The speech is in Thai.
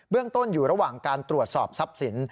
เรื่องต้นอยู่ระหว่างการตรวจสอบทรัพย์สิน